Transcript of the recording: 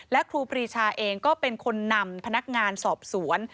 และครูปรีชาเองก็เป็นคนนำพนักงานสอบสวน